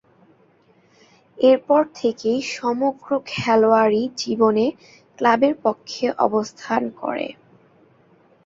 এরপর থেকেই সমগ্র খেলোয়াড়ী জীবন এ ক্লাবের পক্ষে অবস্থান করেন।